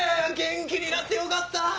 元気になってよかった！